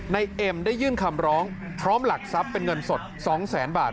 เอ็มได้ยื่นคำร้องพร้อมหลักทรัพย์เป็นเงินสด๒แสนบาท